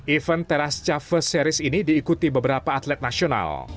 event teras cafer series ini diikuti beberapa atlet nasional